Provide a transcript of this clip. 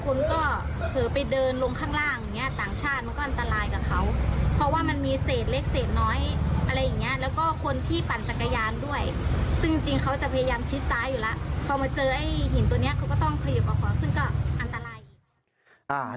พอมาเจอไอ้หินตัวนี้เขาก็ต้องขยิบออกไปซึ่งก็อันตราย